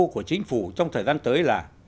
của chính phủ trong thời gian tới là